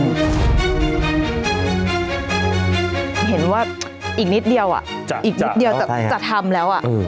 เห็นว่าอีกนิดเดียวอ่ะอีกนิดเดียวจะจะทำแล้วอ่ะอืม